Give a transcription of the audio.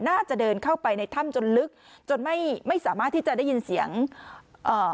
เดินเข้าไปในถ้ำจนลึกจนไม่ไม่สามารถที่จะได้ยินเสียงเอ่อ